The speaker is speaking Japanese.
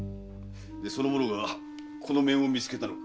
でその者がこの面を見つけたのか？